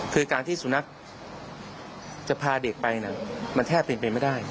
คือการที่สุนัขจะพาเด็กไปมันแทบเป็นไปไม่ได้